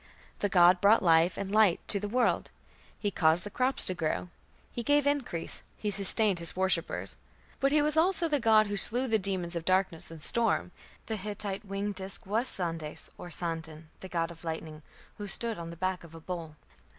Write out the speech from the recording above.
The god brought life and light to the world; he caused the crops to grow; he gave increase; he sustained his worshippers. But he was also the god who slew the demons of darkness and storm. The Hittite winged disk was Sandes or Sandon, the god of lightning, who stood on the back of a bull.